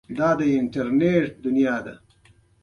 احمد ډېر خواریکښ انسان و خلکو په سترگو کړلا.